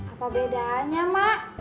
apa bedanya mak